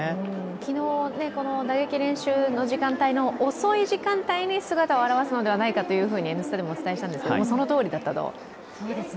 昨日、打撃練習の時間帯の遅い時間に姿を現すのではないかと「Ｎスタ」でもお伝えしたんですが、そのとおりだったと。